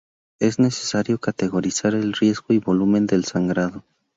Es necesario categorizar el riesgo y volumen del sangrado.